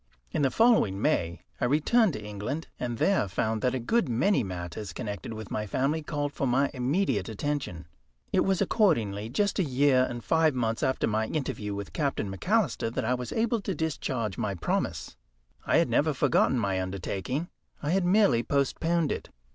In the following May I returned to England, and there found that a good many matters connected with my family called for my immediate attention. It was accordingly just a year and five months after my interview with Captain McAlister that I was able to discharge my promise. I had never forgotten my undertaking I had merely postponed it.